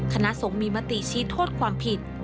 คณะสงฆ์มีมติชี้โทษความผิด